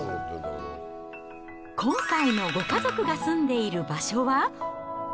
今回のご家族が住んでいる場所は。